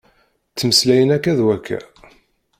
Ttmeslayen akka d wakka.